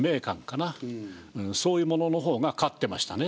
そういうもののほうが勝ってましたね